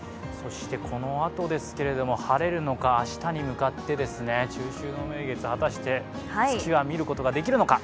このあとですが、晴れるのか明日に向かって、中秋の名月、果たして月は見ることができるのか？